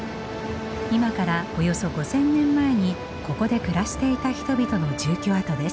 今からおよそ５，０００年前にここで暮らしていた人々の住居跡です。